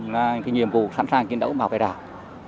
là nhiệm vụ sẵn sàng chiến đấu bảo vệ đảo